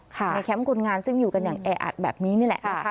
แคมป์คนงานซึ่งอยู่กันอย่างแออัดแบบนี้นี่แหละนะคะ